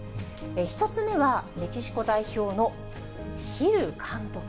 １つ目は、メキシコ代表のヒル監督。